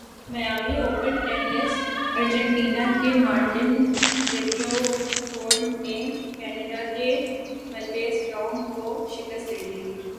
Miami open tennis Argentine کے Martin Del Potro نے Canada کے ملیوس رانک کو شکست دے دی